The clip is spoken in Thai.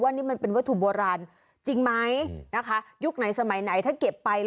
าะถ้าเป็นผมมองก็หินน่ะ